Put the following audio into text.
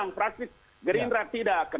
kenapa perutkanan benteri yang penjelas